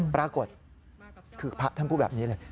ปรากฏคือพระท่านพูดแบบนี้เลย